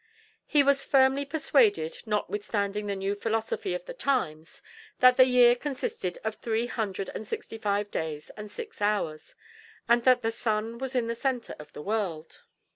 He was firmly persuaded, notwithstanding the new philosophy of the times, that the year consisted of three hundred and sixty five days and six hours, and that the sun was in the center of the world.